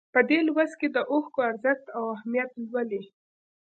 په دې لوست کې د اوښکو ارزښت او اهمیت ولولئ.